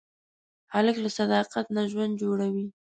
هلک له صداقت نه ژوند جوړوي.